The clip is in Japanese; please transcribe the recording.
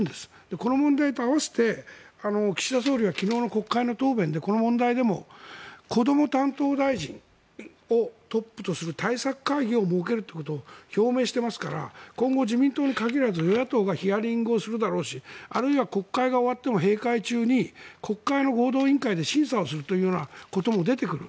この問題と併せて岸田総理は昨日の国会の答弁でこの問題でもこども担当大臣をトップとする対策会議を設けるということを表明していますから今後、自民党に限らず与野党がヒアリングをするだろうしあるいは国会が終わっても閉会中に国会の合同委員会で審査することも出てくる。